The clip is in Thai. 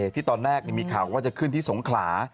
ที่ตอนแรกมีข่าวว่าจะขึ้นที่สงขลา